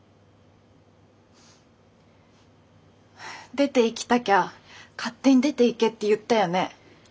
出て行きたきゃ勝手に出て行けって言ったよね？